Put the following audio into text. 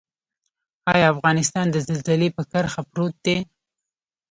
آیا افغانستان د زلزلې په کرښه پروت دی؟